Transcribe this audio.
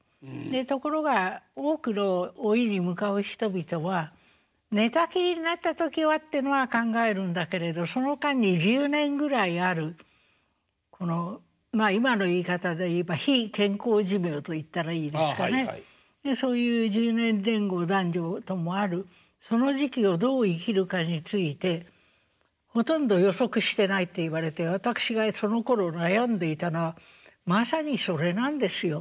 ところが多くの老いに向かう人々は寝たきりになった時はってのは考えるんだけれどその間に１０年ぐらいあるこの今の言い方で言えば非健康寿命といったらいいですかねそういう１０年前後男女ともあるその時期をどう生きるかについてほとんど予測してないって言われて私がそのころ悩んでいたのはまさにそれなんですよ。